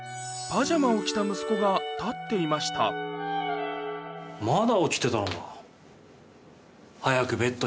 パジャマを着た息子が立っていましたねぇ。